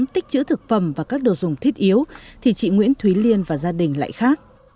tích chữ thực phẩm và các đồ dùng thiết yếu thì chị nguyễn thúy liên và gia đình lại khác